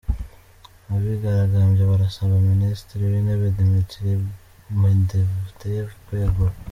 Abigaragambya barasaba ministri w'intebe Dmitry Medvedev kwegura.